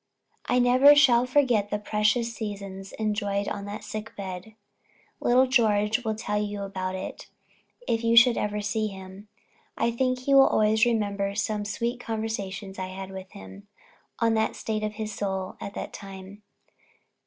I never shall forget the precious seasons enjoyed on that sick bed. Little George will tell you about it, if you should ever see him. I think he will always remember some sweet conversations I had with him, on the state of his soul, at that time.